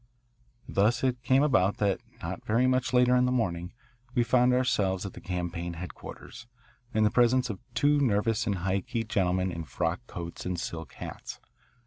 Thus it came about that not very much later in the morning we found ourselves at the campaign headquarters, in the presence of two nervous and high keyed gentlemen in frock coats and silk hats.